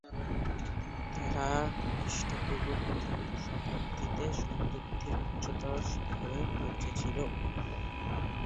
তারা খ্রিস্টপূর্ব প্রথম শতাব্দীতে সমৃদ্ধির উচ্চতর শিখরে পৌঁচেছিল।